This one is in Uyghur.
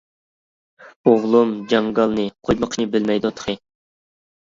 ئوغلۇم جاڭگالنى، قوي بېقىشنى بىلمەيدۇ تېخى.